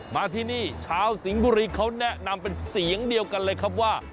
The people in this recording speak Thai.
มาที่นี่ชาวสิงห์บุรีเขาแนะนำเป็นเสียงเดียวกันเลยครับว่า